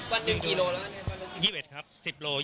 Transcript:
แบบนี้พี่วิ่งวันหนึ่งกี่โลแล้วครับ